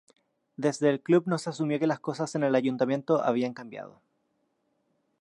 Desde el club no se asumió que las cosas en el ayuntamiento habían cambiado.